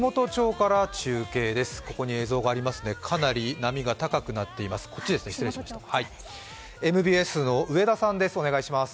かなり波が高くなっています。